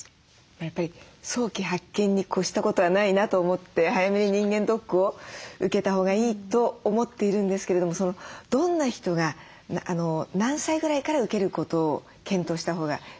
やっぱり早期発見に越したことはないなと思って早めに人間ドックを受けたほうがいいと思っているんですけれどもどんな人が何歳ぐらいから受けることを検討したほうがよろしいと思われますか？